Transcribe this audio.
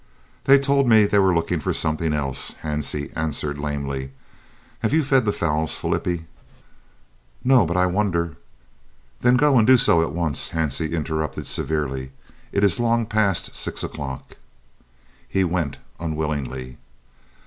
"They told me they were looking for something else," Hansie answered lamely. "Have you fed the fowls, Flippie?" "No, but I wonder " "Then go and do so at once," Hansie interrupted severely. "It is long past 6 o'clock." He went unwillingly.